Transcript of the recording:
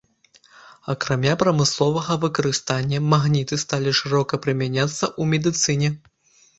Акрамя прамысловага выкарыстання, магніты сталі шырока прымяняцца ў медыцыне.